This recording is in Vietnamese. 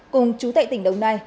cùng chú tệ tỉnh đồng nai